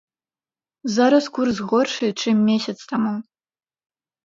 Зараз курс горшы, чым месяц таму.